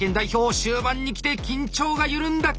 終盤に来て緊張が緩んだか。